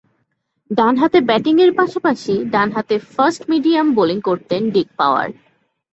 ডানহাতে ব্যাটিংয়ের পাশাপাশি ডানহাতে ফাস্ট মিডিয়াম বোলিং করতেন ডিক পাওয়ার।